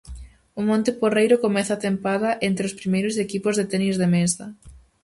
O Monte Porreiro comeza a tempada entre os primeiros equipos de tenis de mesa.